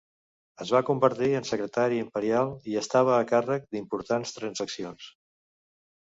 Es va convertir en secretari imperial i estava a càrrec d'importants transaccions.